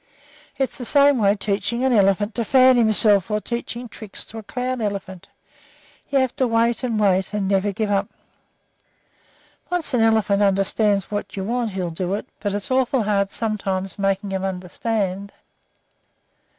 It's the same way teaching an elephant to fan himself or teaching tricks to a clown elephant; you have to wait and wait, and never give up. Once an elephant understands what you want he'll do it, but it's awful hard sometimes making 'em understand."